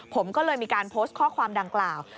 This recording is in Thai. ผมก็เลยมีการโพสต์ข้อความดังกล่าว